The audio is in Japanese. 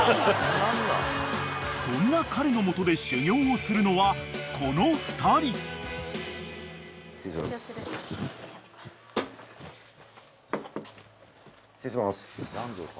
［そんな彼の下で修業をするのはこの２人］失礼します。